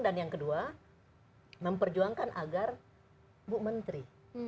yang kedua memperjuangkan agar bu menteri